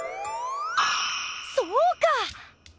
そうか！